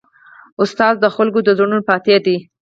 استاد د خلکو د زړونو فاتح دی.